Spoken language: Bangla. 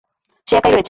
সে একাই রয়েছে।